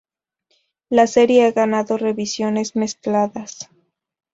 La serie ha ganado revisiones mezcladas.